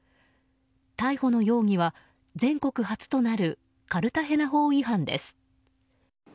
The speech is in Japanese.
逮捕の容疑は、全国初となるカルタヘナ法違反です。